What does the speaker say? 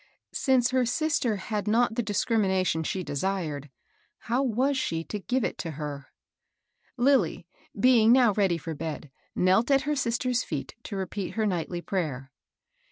Since her sister had not the dis crimination she desired, how was she to give it to her? Lilly, being now ready for bed, knelt at her sis ter's feet to repeat her nightly prayer.